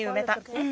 うん。